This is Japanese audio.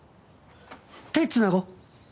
手つなごう。